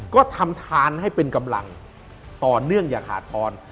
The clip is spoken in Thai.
ก็ทำทานให้เป็นกำลังต่อเนื่องอย่าขาดพร